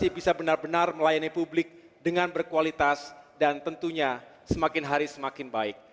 dan juga bisa benar benar melayani publik dengan berkualitas dan tentunya semakin hari semakin baik